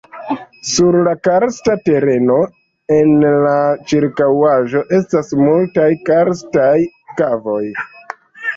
Sur la karsta tereno en la ĉirkaŭaĵo estas multaj karstaj kavoj.